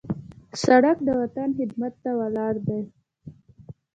سړک د وطن خدمت ته ولاړ دی.